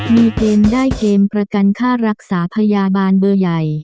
มีเกณฑ์ได้เกมประกันค่ารักษาพยาบาลเบอร์ใหญ่